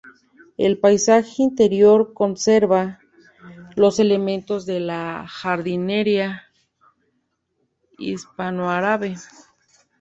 El paisaje interior conserva los elementos de la jardinería hispanoárabe.